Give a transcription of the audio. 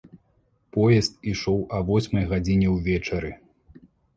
Поезд ішоў а восьмай гадзіне ўвечары.